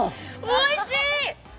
おいしい！